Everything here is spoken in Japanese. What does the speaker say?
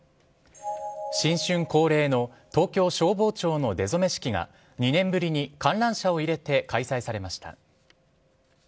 新春恒例の東京消防庁の出初式が２年ぶりに観覧者を入れて開催されました。